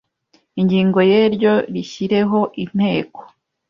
ingingo yeryo rishyireho Inteko